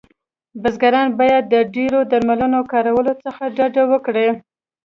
بزګران باید د ډیرو درملو کارولو څخه ډډه وکړی